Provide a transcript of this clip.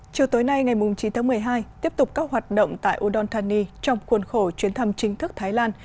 chiều tối nay ngày chín tháng một mươi hai tiếp tục các hoạt động tại udon thani trong khuôn khổ chuyến thăm chính thức thái lan